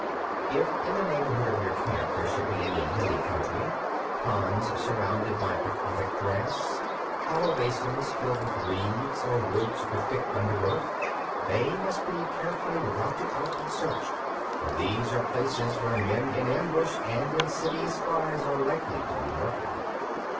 17. If in the neighbourhood of your camp there should be any hilly country, ponds surrounded by aquatic grass, hollow basins filled with reeds, or woods with thick undergrowth, they must be carefully routed out and searched; for these are places where men in ambush or insidious spies are likely to be lurking.